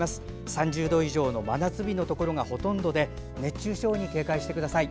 ３０度以上の真夏日のところがほとんどで熱中症に警戒してください。